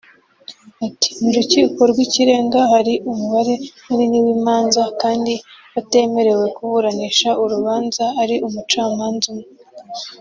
Ati “Mu rukiko rw’ikirenga hari umubare munini w’Imanza kandi batemerewe kuburanisha urubanza ari umucamanza umwe